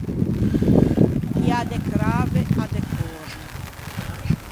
Chi à de crave à de còrne.